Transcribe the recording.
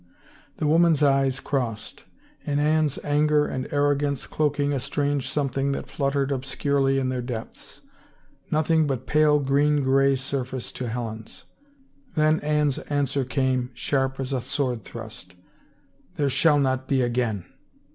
The women's eyes crossed ; in Anne's anger and arro gance cloaking a strange something that fluttered ob scurely in their depths ; nothing but pale green gray sur face to Helen's. Then Anne's answer came, sharp ,as a sword thrust. " There shall not be again